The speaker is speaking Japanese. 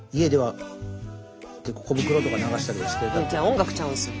音楽ちゃうんですよ。